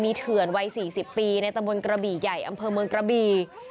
เถื่อนวัย๔๐ปีในตะบนกระบี่ใหญ่อำเภอเมืองกระบี